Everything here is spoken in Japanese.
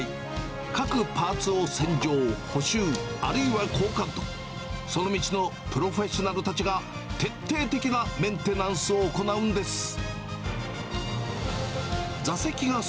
各パーツを洗浄、補修、あるいは交換と、その道のプロフェッショナルたちが徹底的なメンテナンスを行うんです。